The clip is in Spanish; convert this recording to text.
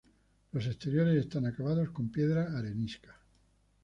Los exteriores están acabados con piedra arenisca.